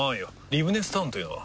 リブネスタウンというのは？